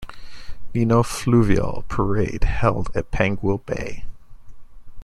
Nino Fluvial Parade held at Panguil Bay.